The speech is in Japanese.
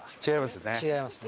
違いますね。